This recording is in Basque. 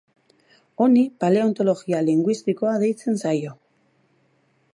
Honi paleontologia linguistikoa deitzen zaio.